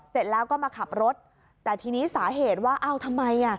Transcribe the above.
เสร็จแล้วก็มาขับรถแต่ทีนี้สาเหตุว่าเอ้าทำไมอ่ะ